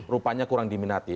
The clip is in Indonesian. rupanya kurang diminati